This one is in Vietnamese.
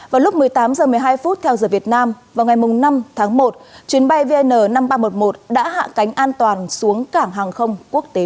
vào lúc một mươi tám h một mươi hai phút theo giờ việt nam vào ngày năm tháng một chuyến bay vn năm nghìn ba trăm một mươi một đã hạ cánh an toàn xuống cảng hàng không quốc tế